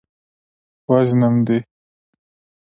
وژنم دې.